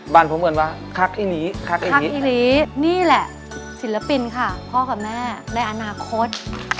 บ้านผมเหมือนว่าคักอีหนีคักอีหลีนี่แหละศิลปินค่ะพ่อกับแม่ในอนาคต